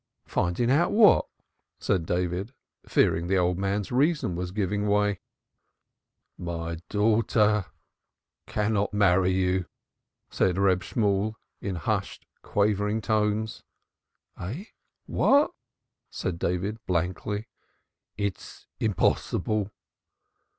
"Finding out what?" said David, fearing the old man's reason was giving way. "My daughter cannot marry you," said Reb Shemuel in hushed, quavering tones. "Eh? What?" said David blankly. "It is impossible."